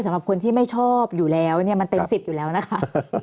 สำหรับคนที่ไม่ชอบอยู่แล้วเนี่ยมันเต็ม๑๐อยู่แล้วนะคะ